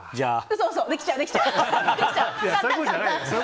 嘘嘘、できちゃうできちゃう！